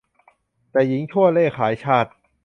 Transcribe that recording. แต่หญิงชั่วเร่ขายชาติ